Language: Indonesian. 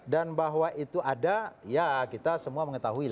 dan bahwa itu ada ya kita semua mengetahui lah